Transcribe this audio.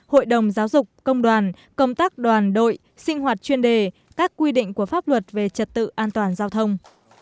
hội đồng giáo dục công đoàn công tác đoàn đội sinh hoạt chuyên đề các quy định của pháp luật về trật tự an toàn giao thông